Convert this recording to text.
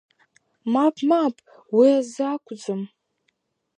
Мап, мап, уи азы акәӡам…